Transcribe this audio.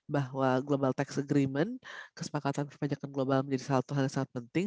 bahwa global tax agreement menjadi hal yang sangat penting